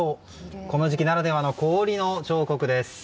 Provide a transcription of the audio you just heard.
この時期ならではの氷の彫刻です。